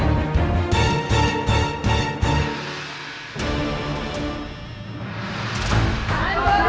masukkan budi padanya kundanya